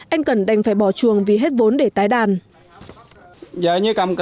anh cần đành phải bỏ chuồng vì hết vốn để tái đàn